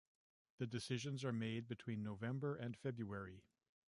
The decisions are made between November and February.